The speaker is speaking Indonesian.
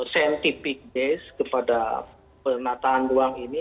scientific base kepada penataan ruang ini